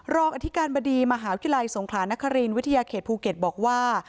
อธิการบดีมหาวิทยาลัยสงขลานครินวิทยาเขตภูเก็ตบอกว่า